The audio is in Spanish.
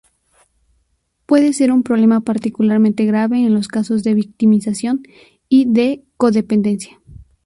Puede ser un problema particularmente grave en los casos de victimización y de co-dependencia.